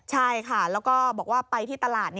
ใช่ค่ะแล้วก็บอกว่าไปที่ตลาด